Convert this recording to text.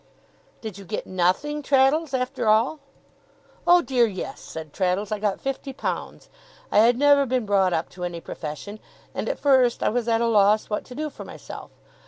'Did you get nothing, Traddles, after all?' 'Oh dear, yes!' said Traddles. 'I got fifty pounds. I had never been brought up to any profession, and at first I was at a loss what to do for myself.